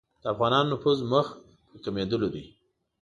د افغانانو نفوذ مخ په کمېدلو دی.